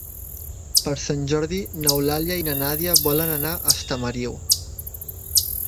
Per Sant Jordi n'Eulàlia i na Nàdia volen anar a Estamariu.